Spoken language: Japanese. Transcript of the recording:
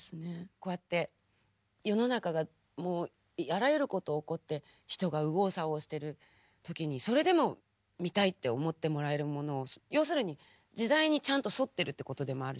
こうやって世の中がもうあらゆること起こって人が右往左往している時にそれでも見たいって思ってもらえるものを要するに時代にちゃんと沿ってるってことでもあるじゃない？